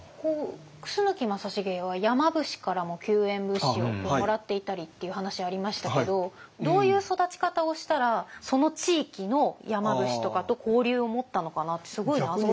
楠木正成は山伏からも救援物資をもらっていたりっていう話ありましたけどどういう育ち方をしたらその地域の山伏とかと交流を持ったのかなってすごい謎で。